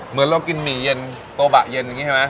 เหมือนเรากินหมี่เย็นโตบะเย็นอย่างนี้ใช่ไหม